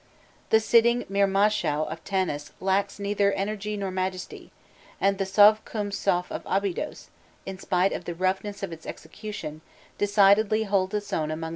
The sitting Mirmâshaû of Tanis lacks neither energy nor majesty, and the Sovkûmsaûf of Abydos, in spite of the roughness of its execution, decidedly holds its own among the other Pharaohs.